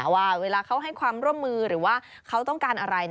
ว่าเวลาเขาให้ความร่วมมือหรือว่าเขาต้องการอะไร